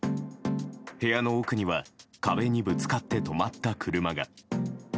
部屋の奥には壁にぶつかって止まった車が。